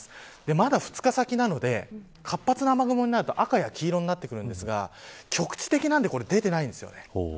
まだ２日先なので活発な雨雲になると赤や黄色になってくるんですが局地的なので出ていないんです。